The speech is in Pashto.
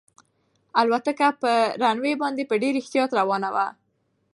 الوتکه په رن وې باندې په ډېر احتیاط روانه وه.